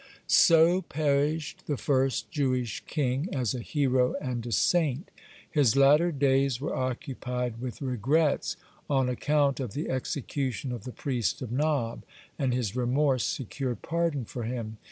(77) So perished the first Jewish king, as a hero and a saint. His latter days were occupied with regrets on account of the execution of the priest of Nob, (78) and his remorse secured pardon for him.